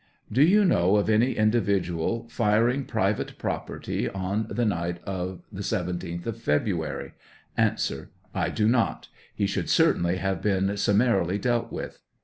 Do you know of any indiyidaal firing private property on the night of the 17th of February ? A. I do not ; he should certainly have been summa rily dealt with.